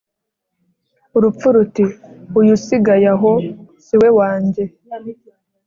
urupfu ruti:” uyu usigaye aho si we wanjye!?”